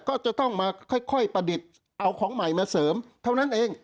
ก็จะต้องมาค่อยประดิษฐ์เอาของใหม่มาเสริมเท่านั้นเอง